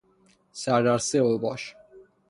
سردسته اوباش